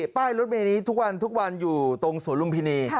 ป้ายรถเมธนี้ทุกวันอยู่ตรงสวรุงพินี